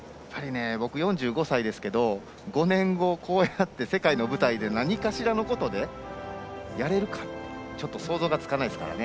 僕、４５歳ですけど５年後、こうやって世界の舞台で何かしらのことでやれるかちょっと想像がつかないですからね。